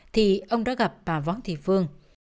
thì ông đã gặp bà vợ chị phương